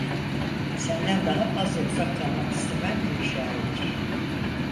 Senden daha fazla uzak kalmak istemem ey şair!